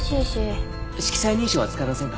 色彩認証は使えませんか？